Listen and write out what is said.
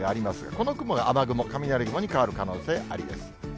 この雲が雨雲、雷雲に変わる可能性ありです。